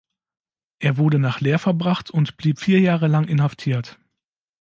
Er wurde nach Leer verbracht und blieb vier Jahre lang inhaftiert.